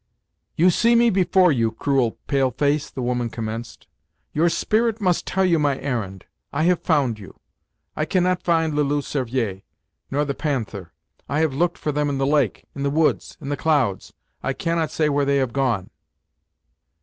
"You see me before you, cruel pale face," the woman commenced; "your spirit must tell you my errand. I have found you; I cannot find le Loup Cervier, nor the Panther; I have looked for them in the lake, in the woods, in the clouds. I cannot say where they have gone."